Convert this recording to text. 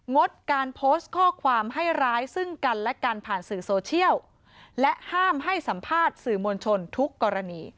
งดการโพสต์ข้อความให้ร้ายซึ่งกันและกันผ่านสื่อโซเชียลและห้ามให้สัมภาษณ์สื่อมวลชนทุกกรณี